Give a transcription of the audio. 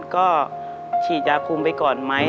ก็ฉีดยาคุมไปก่อนไหม